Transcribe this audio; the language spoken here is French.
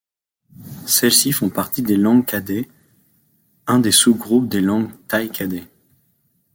Celles-ci font partie des langues kadai, un des sous-groupes des langues tai-kadai.